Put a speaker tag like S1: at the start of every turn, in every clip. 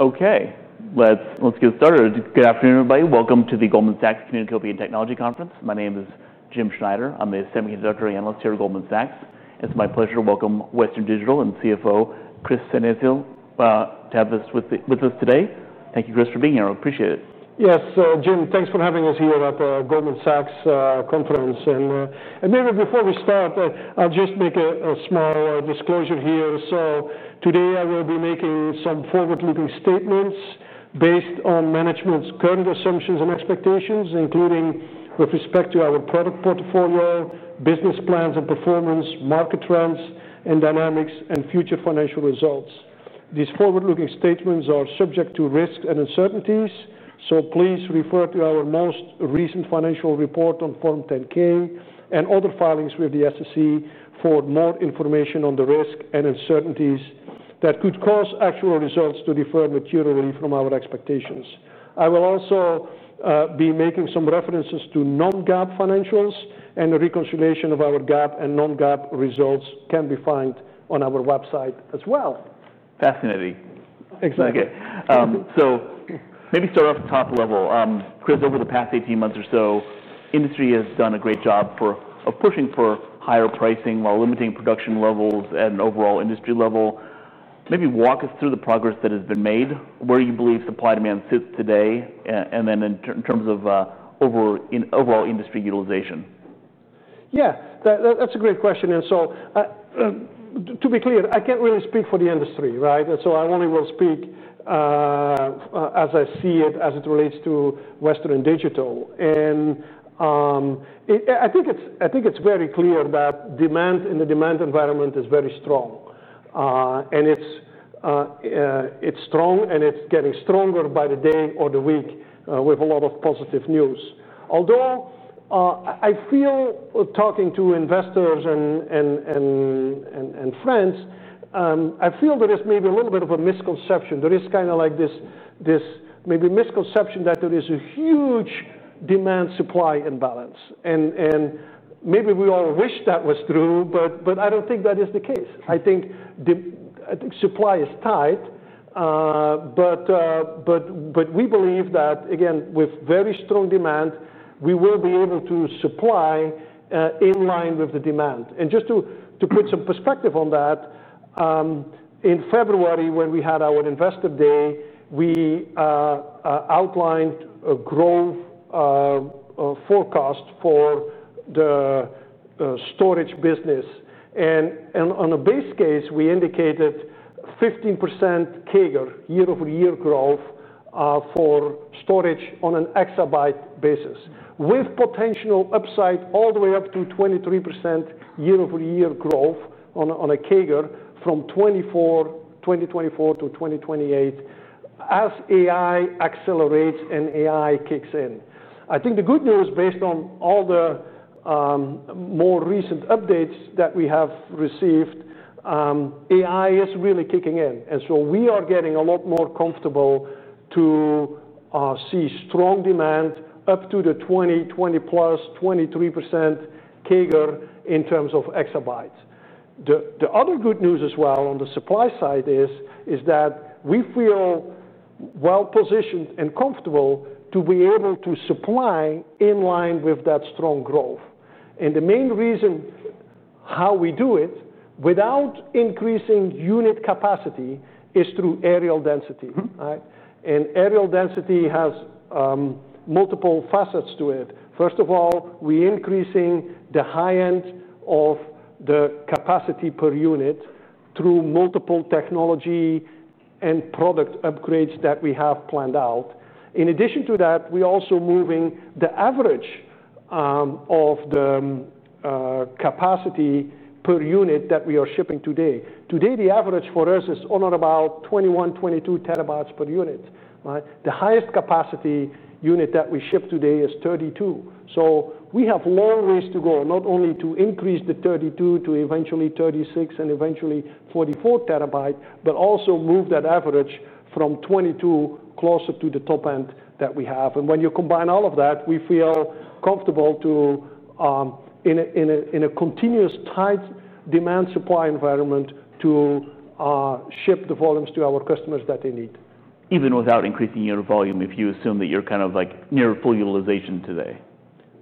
S1: Okay, let's get started. Good afternoon, everybody. Welcome to the Goldman Sachs Communacopia + Technology Conference. My name is Jim Schneider. I'm a Semiconductor Analyst here at Goldman Sachs. It's my pleasure to welcome Western Digital and CFO Kris Sennesael to have us with us today. Thank you, Kris, for being here. I appreciate it.
S2: Yes, Jim, thanks for having us here at the Goldman Sachs Conference. Maybe before we start, I'll just make a small disclosure here. Today I will be making some forward-looking statements based on management's current assumptions and expectations, including with respect to our product portfolio, business plans and performance, market trends, dynamics, and future financial results. These forward-looking statements are subject to risks and uncertainties. Please refer to our most recent financial report on Form 10-K and other filings with the SEC for more information on the risks and uncertainties that could cause actual results to differ materially from our expectations. I will also be making some references to non-GAAP financials, and the reconciliation of our GAAP and non-GAAP results can be found on our website as well.
S1: Definitely.
S2: Exactly.
S1: Okay, so maybe start off top level. Kris, over the past 18 months or so, the industry has done a great job of pushing for higher pricing while limiting production levels and overall industry level. Maybe walk us through the progress that has been made, where you believe supply-demand sits today, and then in terms of overall industry utilization.
S2: Yeah, that's a great question. To be clear, I can't really speak for the industry, right? I only will speak as I see it, as it relates to Western Digital. I think it's very clear that demand in the demand environment is very strong. It's strong, and it's getting stronger by the day or the week with a lot of positive news. Although I feel, talking to investors and friends, I feel there is maybe a little bit of a misconception. There is kind of like this maybe misconception that there is a huge demand-supply imbalance. Maybe we all wish that was true, but I don't think that is the case. I think supply is tight, but we believe that, again, with very strong demand, we will be able to supply in line with the demand. Just to put some perspective on that, in February, when we had our Investor Day, we outlined a growth forecast for the storage business. On a base case, we indicated 15% CAGR, year-over-year growth for storage on an exabyte basis, with potential upside all the way up to 23% year-over-year growth on a CAGR from 2024-2028 as AI accelerates and AI kicks in. I think the good news, based on all the more recent updates that we have received, AI is really kicking in. We are getting a lot more comfortable to see strong demand up to the 20+ 23% CAGR in terms of exabytes. The other good news as well on the supply side is that we feel well-positioned and comfortable to be able to supply in line with that strong growth. The main reason how we do it without increasing unit capacity is through areal density, right? Areal density has multiple facets to it. First of all, we're increasing the high end of the capacity per unit through multiple technology and product upgrades that we have planned out. In addition to that, we're also moving the average of the capacity per unit that we are shipping today. Today, the average for us is on or about 21 TB, 22 TB per unit. The highest capacity unit that we ship today is 32 TB. We have long ways to go, not only to increase the 32 TB to eventually 36 TB and eventually 44 TB, but also move that average from 22 TB closer to the top end that we have. When you combine all of that, we feel comfortable in a continuous tight demand-supply environment to ship the volumes to our customers that they need.
S1: Even without increasing your volume, if you assume that you're kind of like near full utilization today.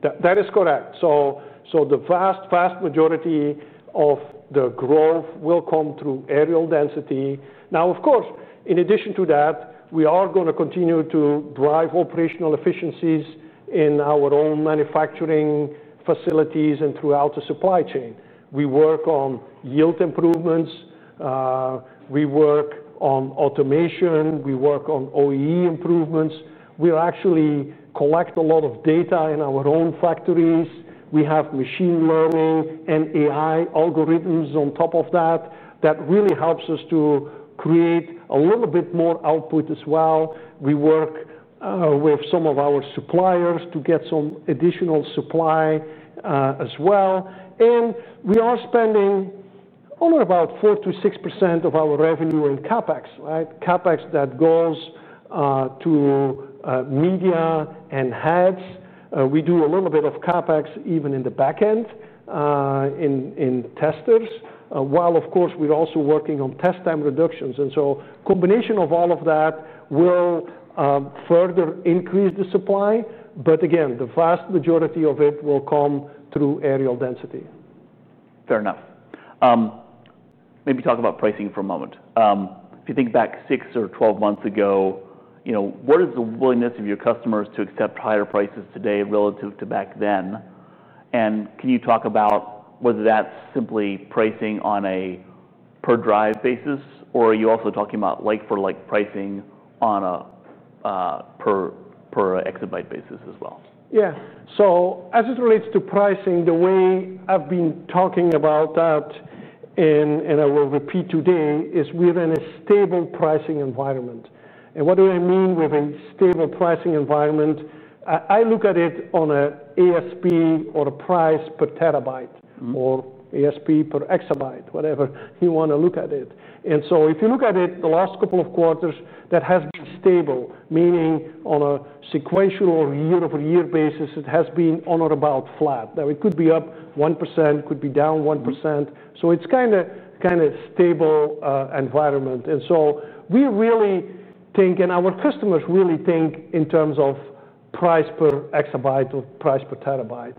S2: That is correct. The vast, vast majority of the growth will come through areal density. Of course, in addition to that, we are going to continue to drive operational efficiencies in our own manufacturing facilities and throughout the supply chain. We work on yield improvements, we work on automation, we work on OEE improvements. We actually collect a lot of data in our own factories. We have machine learning and AI algorithms on top of that. That really helps us to create a little bit more output as well. We work with some of our suppliers to get some additional supply as well. We are spending on or about 4%-6% of our revenue in CapEx, right? CapEx that goes to media and heads. We do a little bit of CapEx even in the backend in testers, while of course we're also working on test time reductions. A combination of all of that will further increase the supply. Again, the vast majority of it will come through areal density.
S1: Fair enough. Maybe talk about pricing for a moment. If you think back six or 12 months ago, what is the willingness of your customers to accept higher prices today relative to back then? Can you talk about whether that's simply pricing on a per drive basis, or are you also talking about like-for-like pricing on a per exabyte basis as well?
S2: Yeah, as it relates to pricing, the way I've been talking about that, and I will repeat today, is we're in a stable pricing environment. What do I mean with a stable pricing environment? I look at it on an ASP or a price per terabyte or ASP per exabyte, whatever you want to look at it. If you look at it the last couple of quarters, that has been stable, meaning on a sequential or year-over-year basis, it has been on or about flat. It could be up 1%, could be down 1%. It's kind of a stable environment. We really think, and our customers really think in terms of price per exabyte or price per terabyte.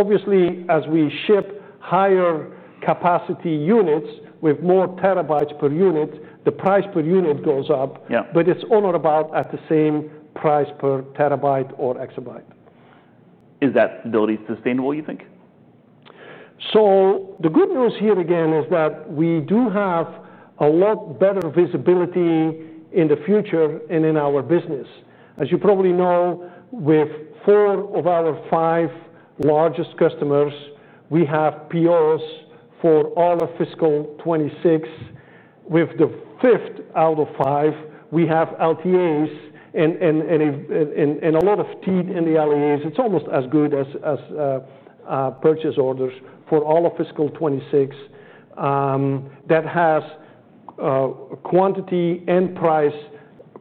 S2: Obviously, as we ship higher capacity units with more terabytes per unit, the price per unit goes up, but it's on or about at the same price per terabyte or exabyte.
S1: Is that stability sustainable, you think?
S2: The good news here again is that we do have a lot better visibility in the future and in our business. As you probably know, with four of our five largest customers, we have POs for all of fiscal 2026, with the fifth out of five. We have LTAs and a lot of TDLEs. It's almost as good as purchase orders for all of fiscal 2026. That has quantity and price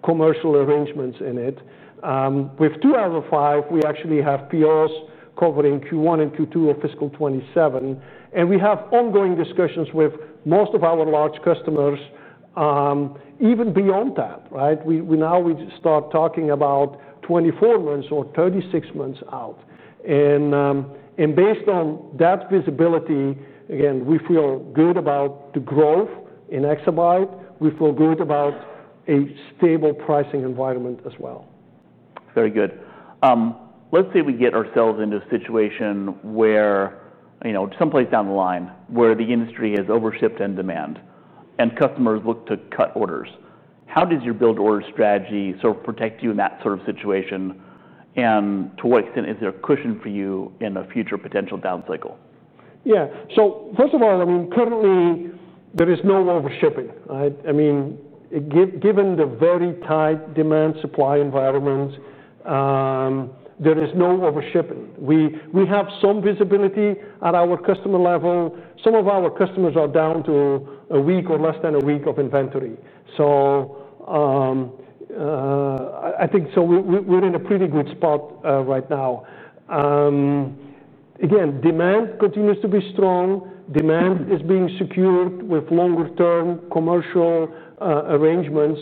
S2: commercial arrangements in it. With two out of five, we actually have POs covering Q1 and Q2 of fiscal 2027. We have ongoing discussions with most of our large customers even beyond that, right? We now start talking about 24 months or 36 months out. Based on that visibility, again, we feel good about the growth in exabyte. We feel good about a stable pricing environment as well.
S1: Very good. Let's say we get ourselves into a situation where, you know, someplace down the line where the industry is overshipped in demand and customers look to cut orders. How does your build order strategy sort of protect you in that sort of situation? To what extent is there a cushion for you in a future potential down cycle?
S2: Yeah, so first of all, currently there is no overshipping, right? Given the very tight demand-supply environment, there is no overshipping. We have some visibility at our customer level. Some of our customers are down to a week or less than a week of inventory. I think we're in a pretty good spot right now. Again, demand continues to be strong. Demand is being secured with longer-term commercial arrangements.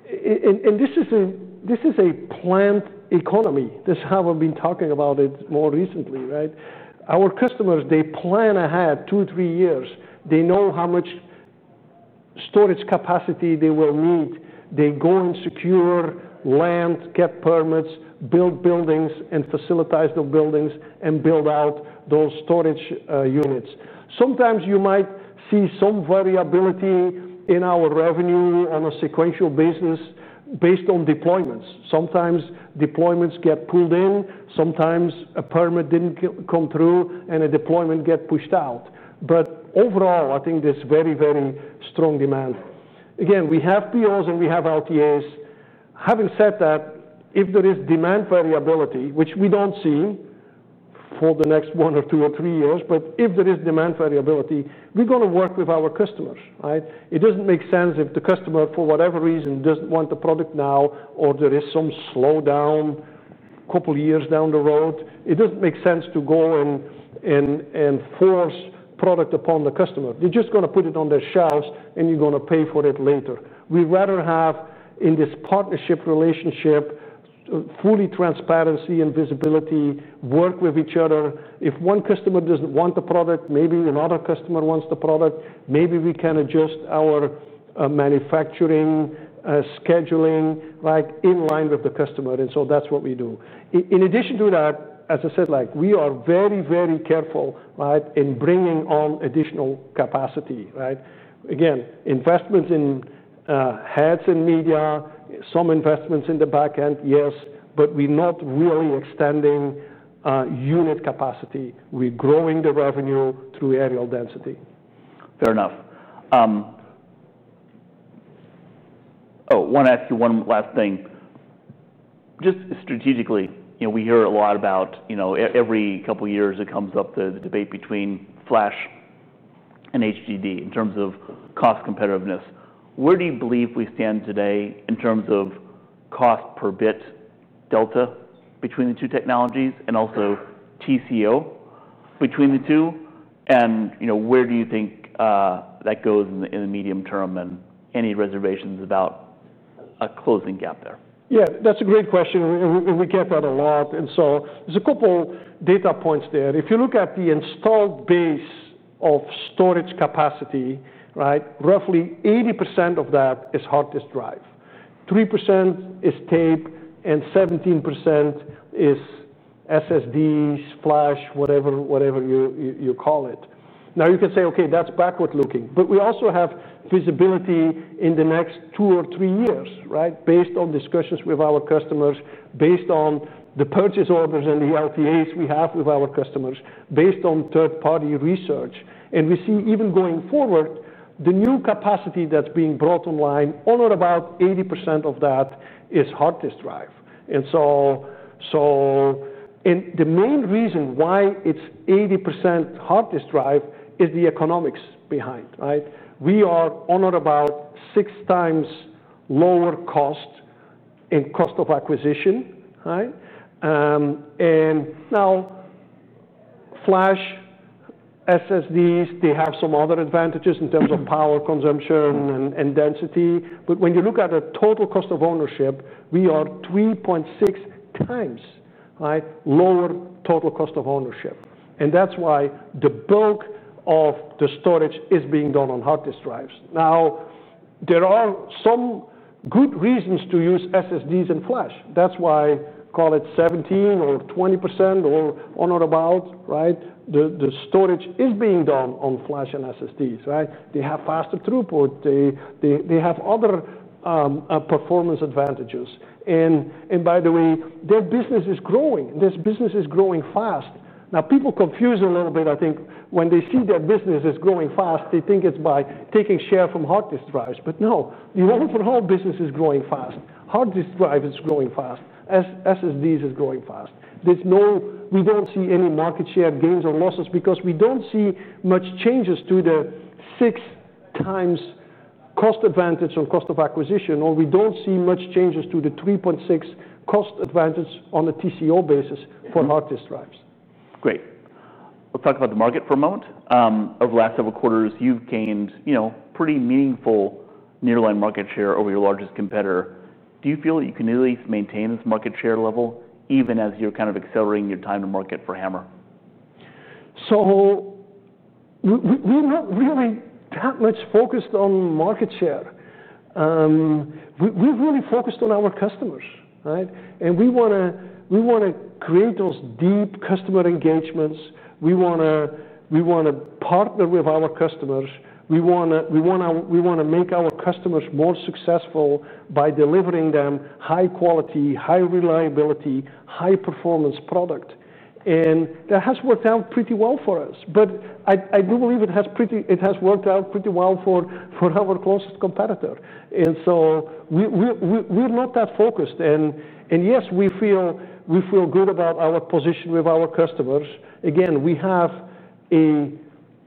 S2: This is a planned economy. This is how I've been talking about it more recently, right? Our customers plan ahead two or three years. They know how much storage capacity they will need. They go and secure land, get permits, build buildings, and facilitate those buildings and build out those storage units. Sometimes you might see some variability in our revenue on a sequential basis based on deployments. Sometimes deployments get pulled in. Sometimes a permit didn't come through and a deployment gets pushed out. Overall, I think there's very, very strong demand. Again, we have POs and we have LTAs. Having said that, if there is demand variability, which we don't see for the next one or two or three years, if there is demand variability, we're going to work with our customers, right? It doesn't make sense if the customer, for whatever reason, doesn't want the product now or there is some slowdown a couple of years down the road. It doesn't make sense to go and force product upon the customer. They're just going to put it on their shelves and you're going to pay for it later. We'd rather have, in this partnership relationship, full transparency and visibility, work with each other. If one customer doesn't want the product, maybe another customer wants the product. Maybe we can adjust our manufacturing scheduling in line with the customer. That's what we do. In addition to that, as I said, we are very, very careful in bringing on additional capacity, right? Again, investments in heads and media, some investments in the backend, yes, but we're not really extending unit capacity. We're growing the revenue through areal density.
S1: Fair enough. I want to ask you one last thing. Just strategically, you know, we hear a lot about, you know, every couple of years it comes up, the debate between flash and HDD in terms of cost competitiveness. Where do you believe we stand today in terms of cost per bit delta between the two technologies and also TCO between the two? You know, where do you think that goes in the medium term and any reservations about a closing gap there?
S2: Yeah, that's a great question. We get that a lot. There's a couple of data points there. If you look at the installed base of storage capacity, roughly 80% of that is hard disk drive, 3% is tape, and 17% is SSDs, flash, whatever you call it. Now, you can say, okay, that's backward looking, but we also have visibility in the next two or three years based on discussions with our customers, based on the purchase orders and the LTAs we have with our customers, based on third-party research. We see even going forward, the new capacity that's being brought online, on or about 80% of that is hard disk drive. The main reason why it's 80% hard disk drive is the economics behind it. We are on or about 6x lower cost in cost of acquisition. Flash, SSDs, they have some other advantages in terms of power consumption and density. When you look at the total cost of ownership, we are 3.6x lower total cost of ownership. That's why the bulk of the storage is being done on hard disk drives. There are some good reasons to use SSDs and flash. That's why, call it 17% or 20% or on or about, the storage is being done on flash and SSDs. They have faster throughput. They have other performance advantages. By the way, their business is growing. This business is growing fast. People confuse it a little bit. I think when they see their business is growing fast, they think it's by taking share from hard disk drives. No, the overall business is growing fast. Hard disk drive is growing fast. SSDs are growing fast. We don't see any market share gains or losses because we don't see much changes to the 6x cost advantage on cost of acquisition, or we don't see much changes to the 3.6x cost advantage on a TCO basis for hard disk drives.
S1: Great. We'll talk about the market for a moment. Over the last several quarters, you've gained pretty meaningful nearline market share over your largest competitor. Do you feel that you can at least maintain this market share level even as you're kind of accelerating your time to market for HAMR?
S2: We're not really that much focused on market share. We're really focused on our customers, right? We want to create those deep customer engagements. We want to partner with our customers. We want to make our customers more successful by delivering them high-quality, high-reliability, high-performance product. That has worked out pretty well for us. I do believe it has worked out pretty well for our closest competitor. We're not that focused. Yes, we feel good about our position with our customers. Again, we have a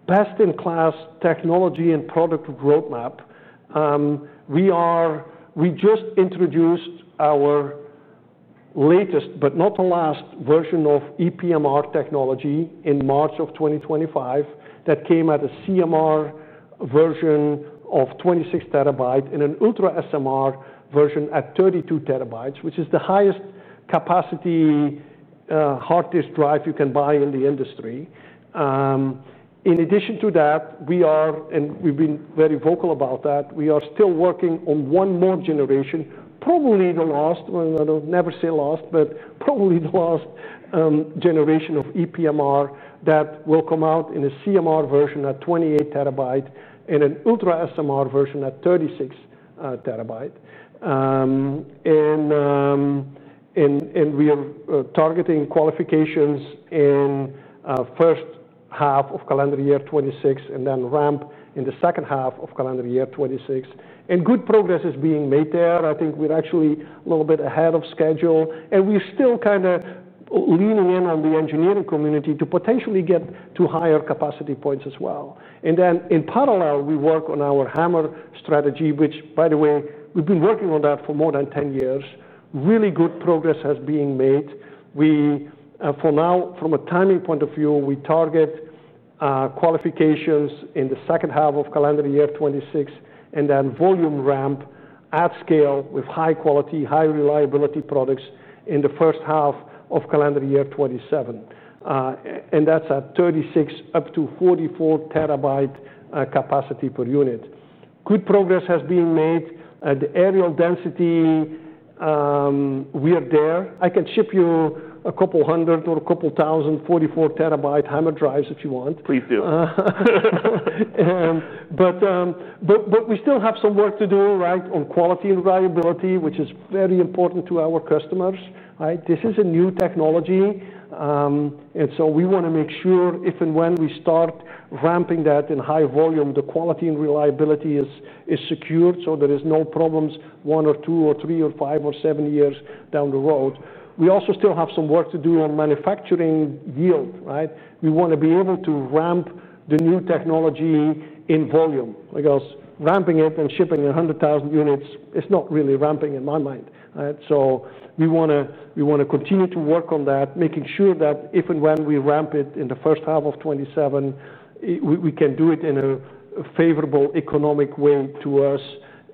S2: best-in-class technology and product roadmap. We just introduced our latest, but not the last version of ePMR technology in March of 2025 that came at a CMR version of 26 TB and an UltraSMR version at 32 TB, which is the highest capacity hard disk drive you can buy in the industry. In addition to that, we are, and we've been very vocal about that, we are still working on one more generation, probably the last, and I'll never say last, but probably the last generation of ePMR that will come out in a CMR version at 28 TB and an UltraSMR version at 36 TB. We're targeting qualifications in the first half of calendar year 2026 and then ramp in the second half of calendar year 2026. Good progress is being made there. I think we're actually a little bit ahead of schedule. We're still kind of leaning in on the engineering community to potentially get to higher capacity points as well. In parallel, we work on our HAMR strategy, which, by the way, we've been working on that for more than 10 years. Really good progress has been made. For now, from a timing point of view, we target qualifications in the second half of calendar year 2026 and then volume ramp at scale with high-quality, high-reliability products in the first half of calendar year 2027. That's at 36 TB up to 44 TB capacity per unit. Good progress has been made. The areal density, we're there. I can ship you a couple hundred or a couple thousand 44 TB HAMR drives if you want.
S1: Please do.
S2: We still have some work to do on quality and reliability, which is very important to our customers. This is a new technology, and we want to make sure if and when we start ramping that in high volume, the quality and reliability is secured so there are no problems one or two or three or five or seven years down the road. We also still have some work to do on manufacturing yield. We want to be able to ramp the new technology in volume. I guess ramping it and shipping 100,000 units is not really ramping in my mind. We want to continue to work on that, making sure that if and when we ramp it in the first half of 2027, we can do it in a favorable economic way to us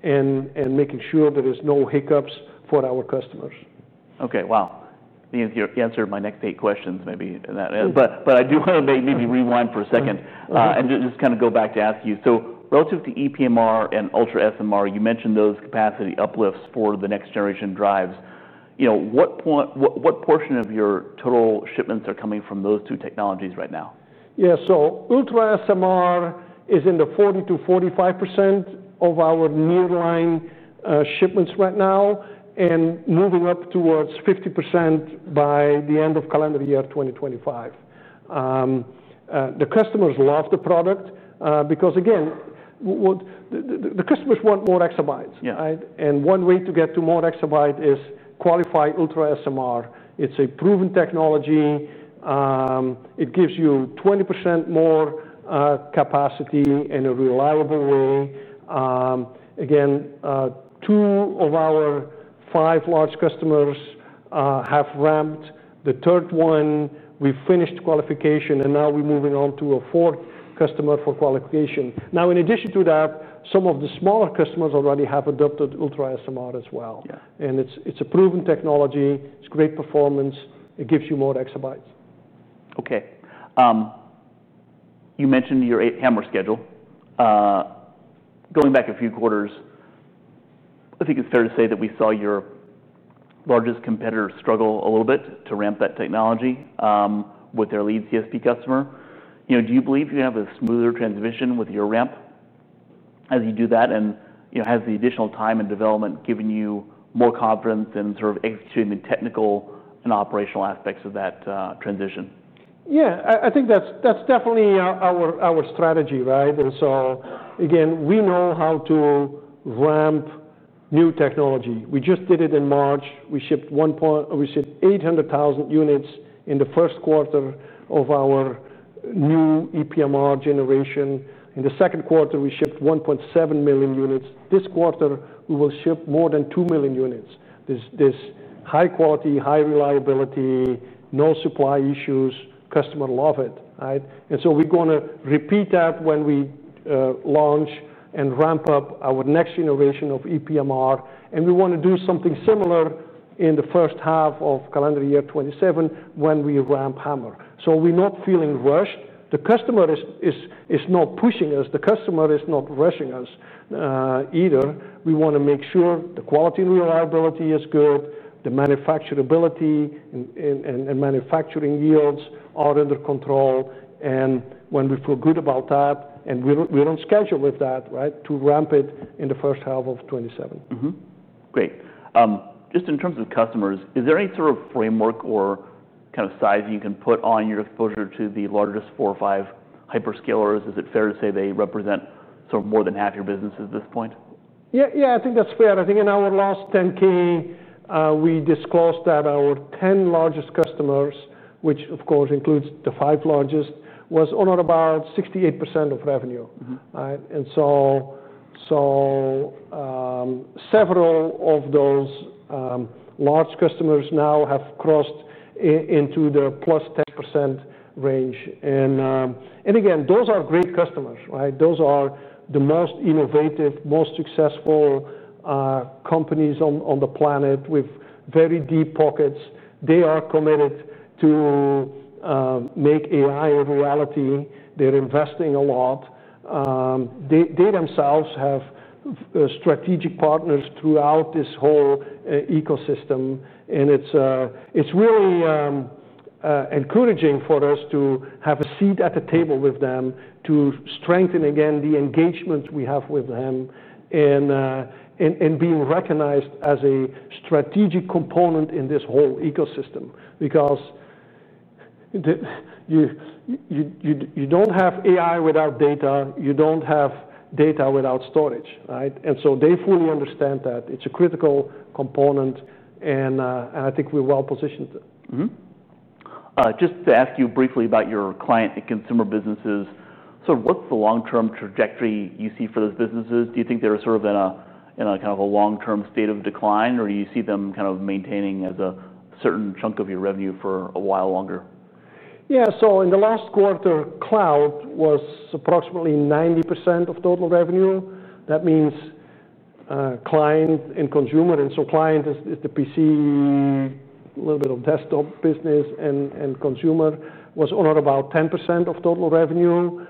S2: and making sure there are no hiccups for our customers.
S1: Okay, wow. You answered my next eight questions maybe in that end, but I do want to maybe rewind for a second and just kind of go back to ask you. Relative to ePMR and UltraSMR, you mentioned those capacity uplifts for the next generation drives. What portion of your total shipments are coming from those two technologies right now?
S2: Yeah, so UltraSMR is in the 40%-45% of our nearline shipments right now and moving up towards 50% by the end of calendar year 2025. The customers love the product because, again, the customers want more exabytes. One way to get to more exabytes is qualified UltraSMR. It's a proven technology. It gives you 20% more capacity in a reliable way. Again, two of our five large customers have ramped. The third one, we finished qualification and now we're moving on to a fourth customer for qualification. In addition to that, some of the smaller customers already have adopted UltraSMR as well. It's a proven technology. It's great performance. It gives you more exabytes.
S1: Okay. You mentioned your HAMR schedule. Going back a few quarters, I think it's fair to say that we saw your largest competitor struggle a little bit to ramp that technology with their lead CS customer. Do you believe you're going to have a smoother transition with your ramp as you do that? Has the additional time and development given you more confidence in sort of executing the technical and operational aspects of that transition?
S2: Yeah, I think that's definitely our strategy, right? We know how to ramp new technology. We just did it in March. We shipped 800,000 units in the first quarter of our new ePMR generation. In the second quarter, we shipped 1.7 million units. This quarter, we will ship more than 2 million units. This is high quality, high reliability, no supply issues. Customers love it, right? We're going to repeat that when we launch and ramp up our next generation of ePMRR. We want to do something similar in the first half of calendar year 2027 when we ramp HAMR. We're not feeling rushed. The customer is not pushing us. The customer is not rushing us either. We want to make sure the quality and reliability is good. The manufacturability and manufacturing yields are under control. When we feel good about that, and we're on schedule with that, right, to ramp it in the first half of 2027.
S1: Great. Just in terms of customers, is there any sort of framework or kind of sizing you can put on your exposure to the largest four or five hyperscalers? Is it fair to say they represent sort of more than half your business at this point?
S2: Yeah, yeah, I think that's fair. I think in our last 10-K, we disclosed that our 10 largest customers, which of course includes the five largest, was on or about 68% of revenue, right? Several of those large customers now have crossed into their +10% range. Those are great customers, right? Those are the most innovative, most successful companies on the planet with very deep pockets. They are committed to make AI a reality. They're investing a lot. They themselves have strategic partners throughout this whole ecosystem. It's really encouraging for us to have a seat at the table with them to strengthen, again, the engagements we have with them and being recognized as a strategic component in this whole ecosystem because you don't have AI without data. You don't have data without storage, right? They fully understand that it's a critical component. I think we're well-positioned.
S1: Just to ask you briefly about your client and consumer businesses, what's the long-term trajectory you see for those businesses? Do you think they're in a kind of a long-term state of decline, or do you see them maintaining a certain chunk of your revenue for a while longer?
S2: Yeah, so in the last quarter, cloud was approximately 90% of total revenue. That means client and consumer. Client is the PC, a little bit of desktop business, and consumer was on or about 10% of total revenue.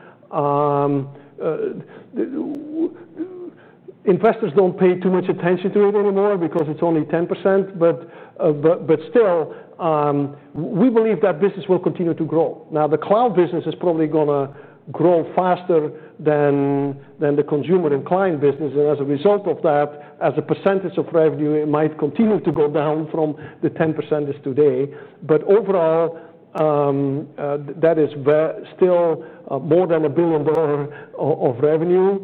S2: Investors don't pay too much attention to it anymore because it's only 10%. We believe that business will continue to grow. The cloud business is probably going to grow faster than the consumer and client business. As a result of that, as a percentage of revenue, it might continue to go down from the 10% it is today. Overall, that is still more than $1 billion of revenue.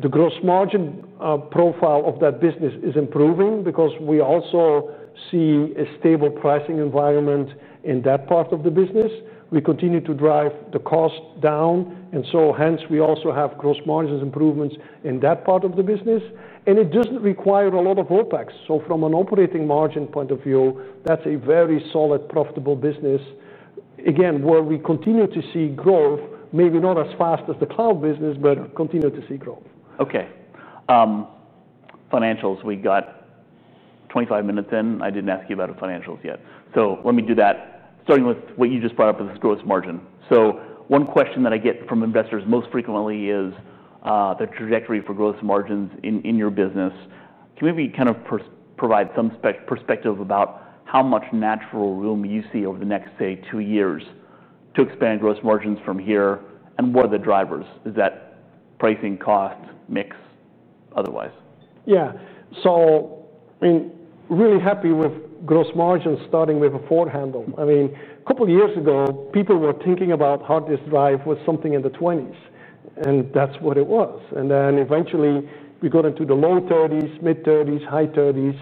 S2: The gross margin profile of that business is improving because we also see a stable pricing environment in that part of the business. We continue to drive the cost down. Hence, we also have gross margin improvements in that part of the business. It doesn't require a lot of OpEx. From an operating margin point of view, that's a very solid, profitable business where we continue to see growth, maybe not as fast as the cloud business, but continue to see growth.
S1: Okay. Financials, we got 25 minutes in. I didn't ask you about the financials yet. Let me do that. Starting with what you just brought up with this gross margin. One question that I get from investors most frequently is the trajectory for gross margins in your business. Can you maybe kind of provide some perspective about how much natural room you see over the next, say, two years to expand gross margins from here? What are the drivers? Is that pricing, cost, mix, otherwise?
S2: Yeah, so I mean, really happy with gross margins starting with a four handle. I mean, a couple of years ago, people were thinking about how this drive was something in the 20s. That's what it was. Eventually, we got into the low 30s, mid 30s, high 30s.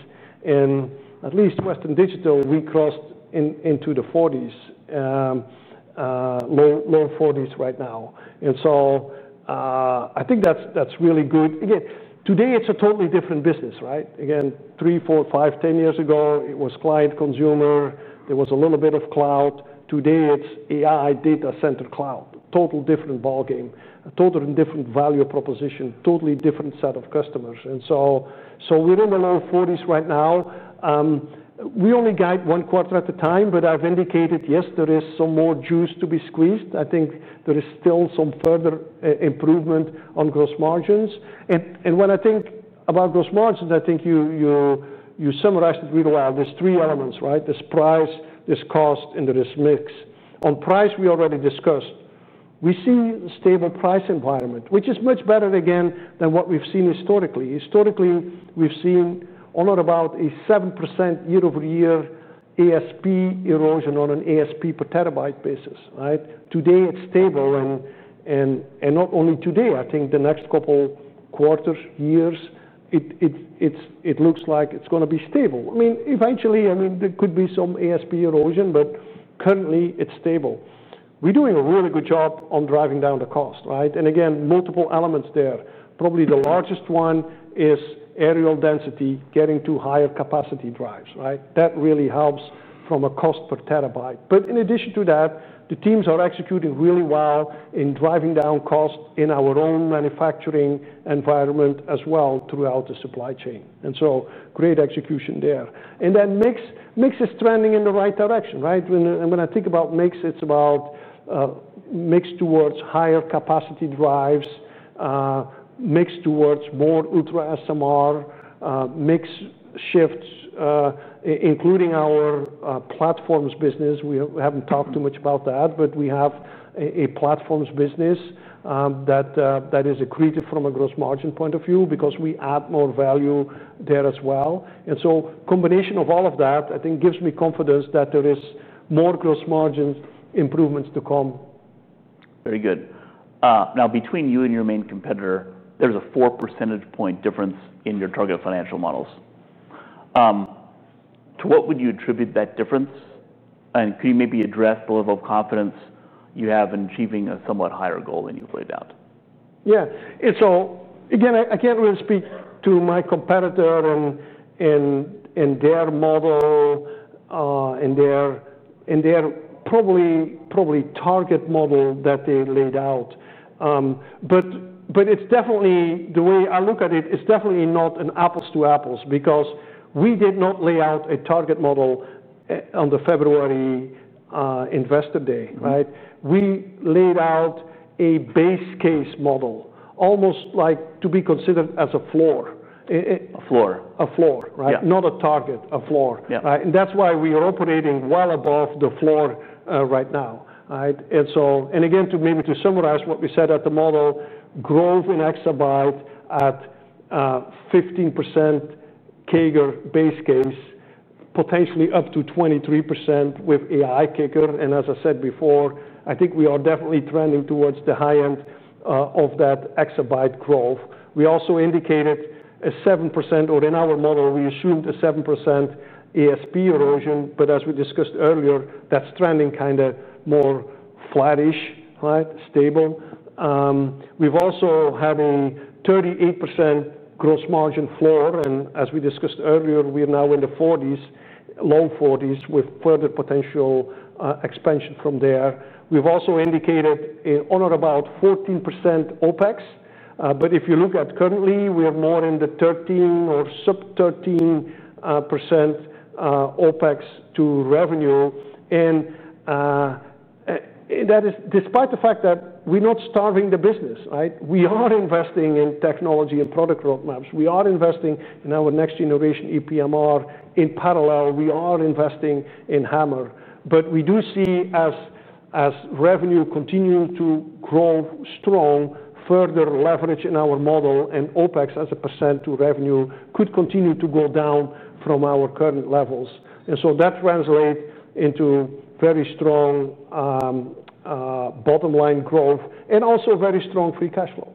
S2: At least Western Digital, we crossed into the 40s, low 40s right now. I think that's really good. Today it's a totally different business, right? Three, four, five, 10 years ago, it was client-consumer. There was a little bit of cloud. Today, it's AI, data-centric cloud. A total different ballgame. A totally different value proposition. A totally different set of customers. We're in the low 40s right now. We only got one quarter at a time, but I've indicated, yes, there is some more juice to be squeezed. I think there is still some further improvement on gross margins. When I think about gross margins, I think you summarized it really well. There's three elements, right? There's price, there's cost, and there is mix. On price, we already discussed. We see a stable price environment, which is much better, again, than what we've seen historically. Historically, we've seen on or about a 7% year-over-year ASP erosion on an ASP per terabyte basis, right? Today, it's stable. Not only today, I think the next couple of quarters, years, it looks like it's going to be stable. Eventually, I mean, there could be some ASP erosion, but currently, it's stable. We're doing a really good job on driving down the cost, right? Multiple elements there. Probably the largest one is areal density getting to higher capacity drives, right? That really helps from a cost per terabyte. In addition to that, the teams are executing really well in driving down cost in our own manufacturing environment as well throughout the supply chain. Great execution there. Then mix is trending in the right direction, right? When I think about mix, it's about mix towards higher capacity drives, mix towards more UltraSMR, mix shifts, including our platforms business. We haven't talked too much about that, but we have a platforms business that is accretive from a gross margin point of view because we add more value there as well. A combination of all of that, I think, gives me confidence that there are more gross margin improvements to come.
S1: Very good. Now, between you and your main competitor, there's a 4% difference in your target financial models. To what would you attribute that difference? Could you maybe address the level of confidence you have in achieving a somewhat higher goal than you've laid out?
S2: Yeah, I can't really speak to my competitor and their model and their probably target model that they laid out. The way I look at it, it's definitely not an apples to apples because we did not lay out a target model on the February Investor Day, right? We laid out a base case model, almost like to be considered as a floor.
S1: A floor.
S2: A floor, right? Not a target, a floor, right? That's why we are operating well above the floor right now, right? To maybe summarize what we said at the model, growth in exabyte at 15% CAGR base case, potentially up to 23% with AI CAGR. As I said before, I think we are definitely trending towards the high end of that exabyte growth. We also indicated a 7%, or in our model, we assumed a 7% ASP erosion. As we discussed earlier, that's trending kind of more flattish, right? Stable. We've also had a 38% gross margin floor. As we discussed earlier, we're now in the 40s, low 40s, with further potential expansion from there. We've also indicated on or about 14% OpEx. If you look at currently, we're more in the 13% or sub-13% OpEx to revenue. That is despite the fact that we're not starving the business, right? We are investing in technology and product roadmaps. We are investing in our next generation ePMR in parallel. We are investing in HAMR. We do see, as revenue continues to grow strong, further leverage in our model and OpEx as a percent to revenue could continue to go down from our current levels. That translates into very strong bottom line growth and also very strong free cash flow.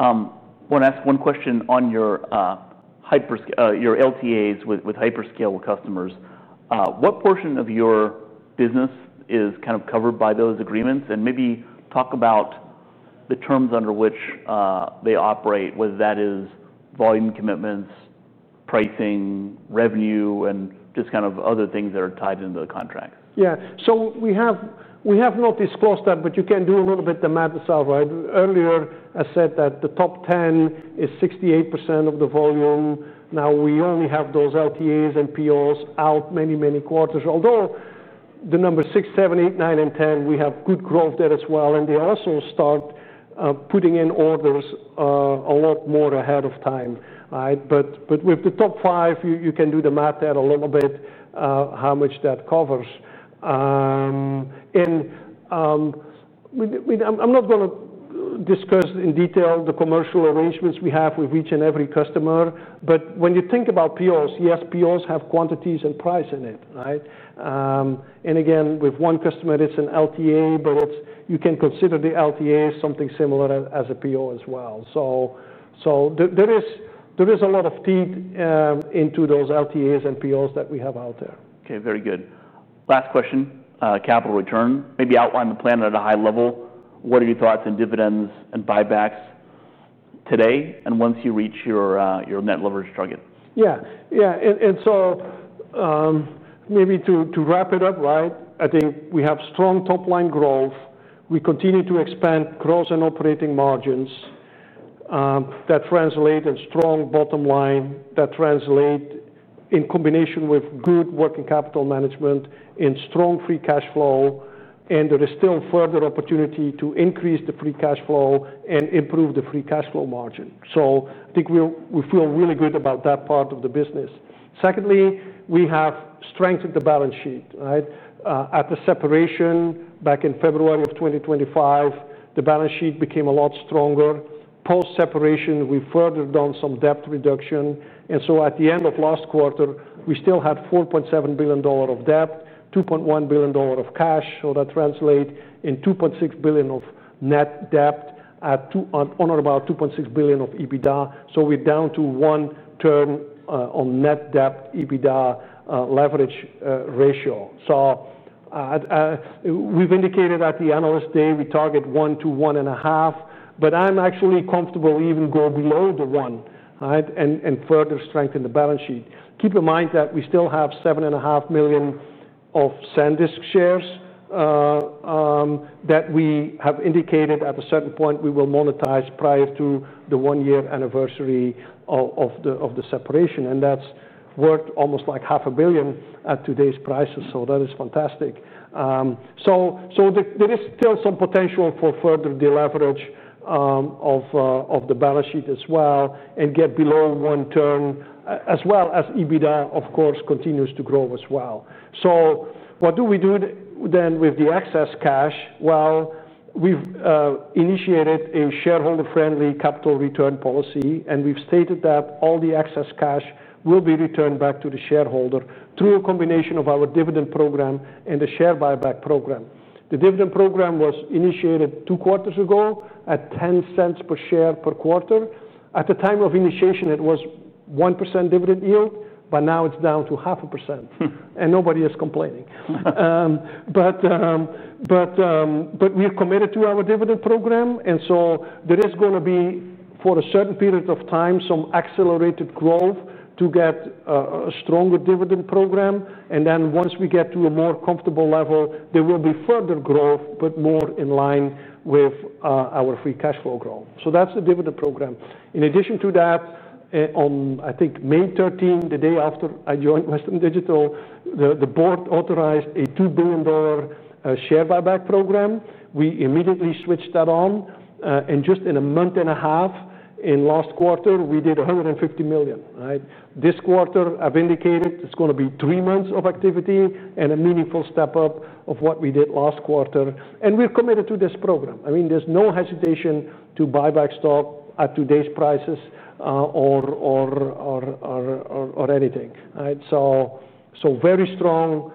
S1: I want to ask one question on your LTAs with hyperscale customers. What portion of your business is kind of covered by those agreements? Maybe talk about the terms under which they operate, whether that is volume commitments, pricing, revenue, and just kind of other things that are tied into the contract.
S2: Yeah, we have not disclosed that, but you can do a little bit of the math yourself, right? Earlier, I said that the top 10 is 68% of the volume. We only have those LTAs and POs out many, many quarters. Although the number six, seven, eight, nine, and 10, we have good growth there as well. They also start putting in orders a lot more ahead of time, right? With the top five, you can do the math there a little bit, how much that covers. I'm not going to discuss in detail the commercial arrangements we have with each and every customer. When you think about POs, yes, POs have quantities and price in it, right? Again, with one customer, it's an LTA, but you can consider the LTA something similar as a PO as well. There is a lot of teeth into those LTAs and POs that we have out there.
S1: Okay, very good. Last question, capital return. Maybe outline the plan at a high level. What are your thoughts on dividends and buybacks today and once you reach your net leverage target?
S2: Yeah, yeah. Maybe to wrap it up, right, I think we have strong top line growth. We continue to expand gross and operating margins. That translates in strong bottom line. That translates in combination with good working capital management and strong free cash flow. There is still further opportunity to increase the free cash flow and improve the free cash flow margin. I think we feel really good about that part of the business. Secondly, we have strengthened the balance sheet, right? At the separation back in February of 2025, the balance sheet became a lot stronger. Post-separation, we furthered on some debt reduction. At the end of last quarter, we still had $4.7 billion of debt, $2.1 billion of cash. That translates in $2.6 billion of net debt at on or about $2.6 billion of EBITDA. We're down to 1x on net debt EBITDA leverage ratio. We've indicated at the Analyst Day, we target one to 1.5. I'm actually comfortable even going below the one, right, and further strengthen the balance sheet. Keep in mind that we still have 7.5 million of Sandisk shares that we have indicated at a certain point we will monetize prior to the one-year anniversary of the separation. That's worth almost like 500 million at today's prices. That is fantastic. There is still some potential for further deleverage of the balance sheet as well and get below one turn, as well as EBITDA, of course, continues to grow as well. What do we do then with the excess cash? We've initiated a shareholder-friendly capital return policy. We've stated that all the excess cash will be returned back to the shareholder through a combination of our dividend program and the share buyback program. The dividend program was initiated two quarters ago at $0.10 per share per quarter. At the time of initiation, it was 1% dividend yield. Now it's down to 0.5%. Nobody is complaining. We're committed to our dividend program. There is going to be, for a certain period of time, some accelerated growth to get a stronger dividend program. Once we get to a more comfortable level, there will be further growth, but more in line with our free cash flow growth. That's the dividend program. In addition to that, on, I think, May 13, the day after I joined Western Digital, the Board authorized a $2 billion share buyback program. We immediately switched that on. In just a month and a half, in last quarter, we did $150 million, right? This quarter, I've indicated, it's going to be three months of activity and a meaningful step up of what we did last quarter. We're committed to this program. There is no hesitation to buy back stock at today's prices or anything, right? Very strong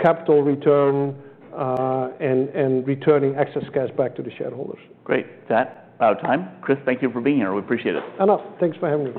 S2: capital return and returning excess cash back to the shareholders.
S1: Great. That's about time. Kris, thank you for being here. We appreciate it.
S2: Enough. Thanks for having me.